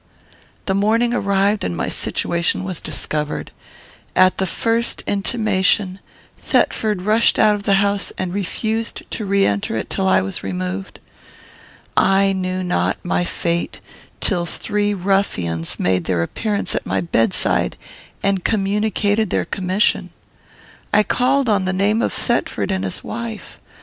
"The morning arrived, and my situation was discovered. At the first intimation, Thetford rushed out of the house, and refused to re enter it till I was removed. I knew not my fate, till three ruffians made their appearance at my bedside, and communicated their commission. "I called on the name of Thetford and his wife.